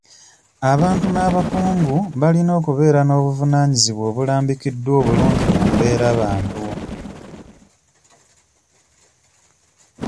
Abantu n'abakungu balina okubeera n'obuvunaanyizibwa obulambikiddwa obulungi mu mbeerabantu.